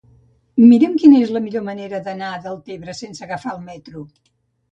Mira'm quina és la millor manera d'anar a Deltebre sense agafar el metro.